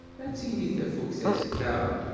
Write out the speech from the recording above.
Ad tili tafukt azekka?